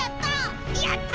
やった！